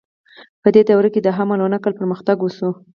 په دې دوره کې د حمل او نقل پرمختګ وشو.